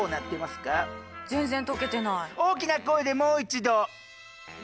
大きな声でもう一度。